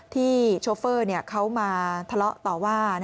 โชเฟอร์เขามาทะเลาะต่อว่า